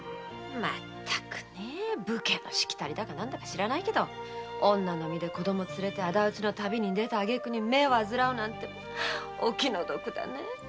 武家のしきたりだか何だか知らないけど女が子連れで敵討ちの旅に出たあげく目を患うなんてお気の毒だねぇ。